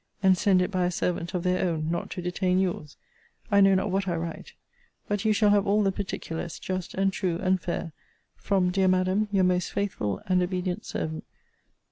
And send it by a servant of their own, not to detain your's. I know not what I write. But you shall have all the particulars, just, and true, and fair, from Dear Madam, Your most faithful and obedient servant, CH.